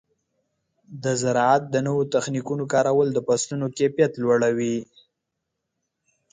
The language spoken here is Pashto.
د زراعت د نوو تخنیکونو کارول د فصلونو کیفیت لوړوي.